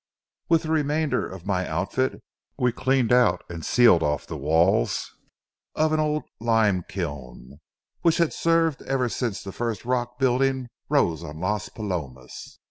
With the remainder of my outfit we cleaned out and sealed off the walls of an old lime kiln, which had served ever since the first rock buildings rose on Las Palomas.